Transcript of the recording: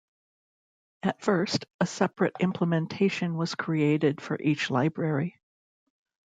At first a separate implementation was created for each library.